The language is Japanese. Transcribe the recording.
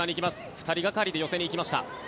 ２人がかりで寄せに行きました。